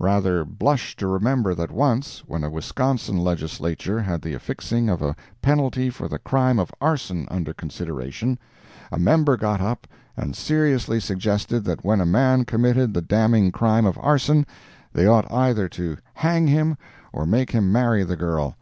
Rather blush to remember that once, when a Wisconsin Legislature had the affixing of a penalty for the crime of arson under consideration, a member got up and seriously suggested that when a man committed the damning crime of arson they ought either to hang him or make him marry the girl!